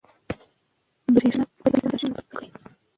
برېښنا پريزې د ماشوم نه پټې کړئ.